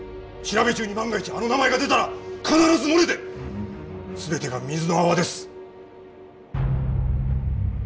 調べ中に万が一あの名前が出たら必ず漏れて全てが水の泡です。